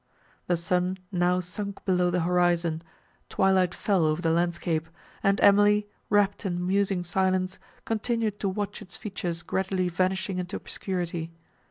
The sun now sunk below the horizon, twilight fell over the landscape, and Emily, wrapt in musing silence, continued to watch its features gradually vanishing into obscurity.